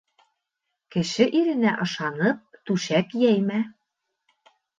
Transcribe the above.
Кеше иренә ышанып түшәк йәймә.